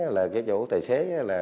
là cái chỗ thầy xế